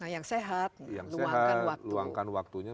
yang sehat luangkan waktunya